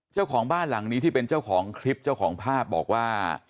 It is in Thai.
เจ้าของบ้านหลังนี้ที่เป็นเจ้าของคลิปเจ้าของภาพบอกว่า